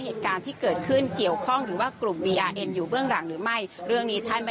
เหตุการณ์ที่เกิดขึ้นเกี่ยวข้องหรือว่ากลุ่มวีอาร์เนอยู่เบื้องหลังหรือไม่